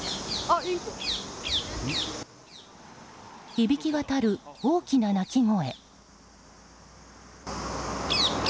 響き渡る大きな鳴き声。